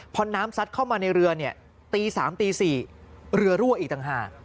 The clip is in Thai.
พอน้ำซัดเข้ามาในเรือเนี่ยตี๓ตี๔เรือรั่วอีกต่างหาก